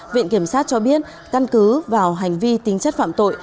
viện kiểm sát cho biết căn cứ vào hành vi tính chất phạm tội